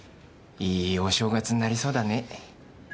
いいお正月になりそうだね。